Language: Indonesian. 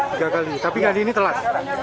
tiga kali tapi ganti ini telat